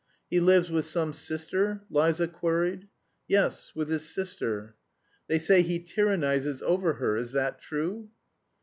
"He lives with some sister?" Liza queried. "Yes, with his sister." "They say he tyrannises over her, is that true?"